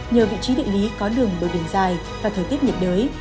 nhờ vị trí địa lý có đường bờ biển dài và thời tiết nhiệt đới